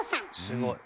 すごい。